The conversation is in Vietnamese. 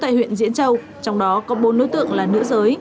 tại huyện diễn châu trong đó có bốn đối tượng là nữ giới